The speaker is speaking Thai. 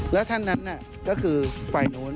แล้วท่านนั้นก็คือฝ่ายโน้น